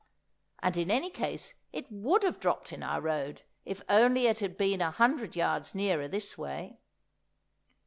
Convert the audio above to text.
And, in any case, it would have dropped in our road if only it had been a hundred yards nearer this way.